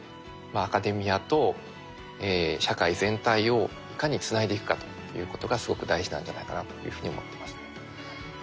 アカデミアと社会全体をいかにつないでいくかということがすごく大事なんじゃないかなというふうに思っていますね。